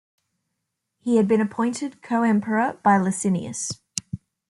He had been appointed co-emperor by Licinius.